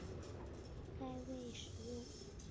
该位使用者仍然可以创建一个新帐号继续他的行为。